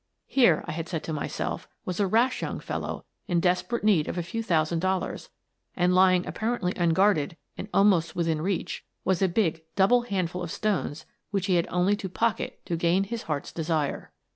Here, I had said to myself, was a rash young fellow in desperate need of a few thousand dollars, and, lying apparently unguarded and almost within reach, was a big 34 Miss Frances Baird, Detective double handful of stones which he had only to pocket to gain his heart's desire.